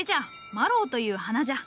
マロウという花じゃ。